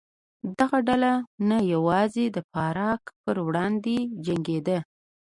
دغه ډله نه یوازې د فارک پر وړاندې جنګېده.